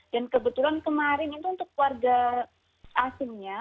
dan kebetulan kemarin itu untuk warga asingnya